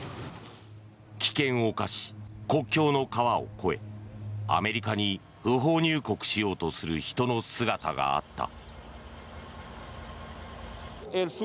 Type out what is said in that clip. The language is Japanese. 危険を冒し国境の川を越えアメリカに不法入国しようとする人の姿があった。